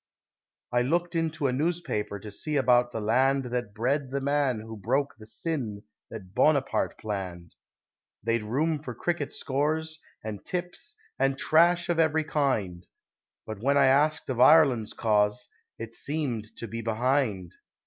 I looked into a newspaper to see about the land That bred the man who broke the sin that Bonaparte planned; They'd room for cricket scores, and tips, and trash of every kind, But when I asked of Ireland's cause, it seemed to be behind.